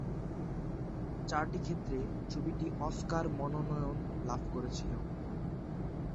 চারটি ক্ষেত্রে ছবিটি অস্কার মনোনয়ন লাভ করেছিল।